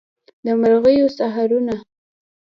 د مرغیو سحرونه